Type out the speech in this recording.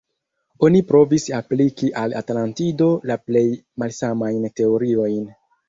Oni provis apliki al Atlantido la plej malsamajn teoriojn.